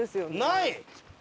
ない！